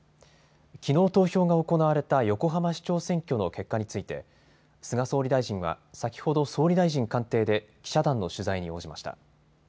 きのう投票が行われた横浜市長選挙の結果について菅総理大臣は先ほど総理大臣官邸で記者団の取材に応じました。